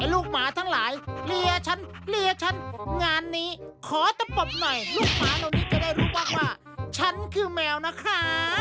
ลูกหมาเหล่านี้จะได้รู้ปากมาว่าฉันคือแมวนะคะ